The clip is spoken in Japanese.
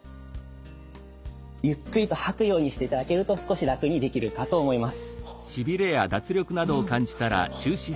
ゆっくりと吐くようにしていただけると少し楽にできるかと思います。